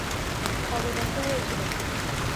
কবে বন্ধ হয়েছিল?